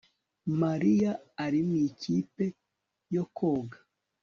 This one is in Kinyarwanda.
Mariya ari mu ikipe yo koga